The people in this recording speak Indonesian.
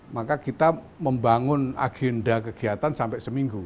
maka kita membangun agenda kegiatan sampai seminggu